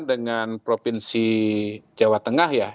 dengan provinsi jawa tengah ya